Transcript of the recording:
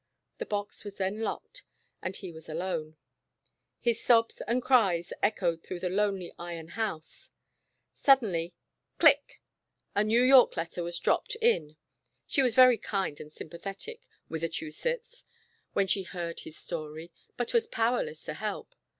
The box was then locked, and he was alone. His sobs and cries echoed through the lonely iron house. Suddenly, " Achusetts's Ride to Philadelphia." 245 "click," a New York letter was dropped in. She was very kind and sympathetic with Achu setts, when she heard his story, but was powerless to help.